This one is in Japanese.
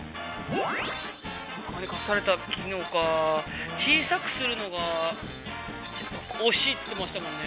◆隠された機能か小さくするのがおしいって言ってましたもんね。